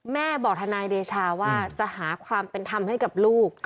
แม่บอกทนายเดชาว่าจะหาความเป็นธรรมให้กับลูก